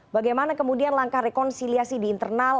bagaimana kemudian langkah rekonsiliasi di internal